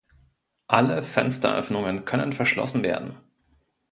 Alle Fensteröffnungen können verschlossen werden.